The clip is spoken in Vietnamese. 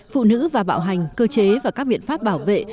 phụ nữ và bạo hành cơ chế và các biện pháp bảo vệ